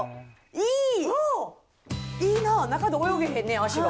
いいな、中で泳げへんね、足が。